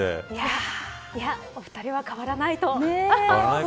いや、お二人は変わらないと。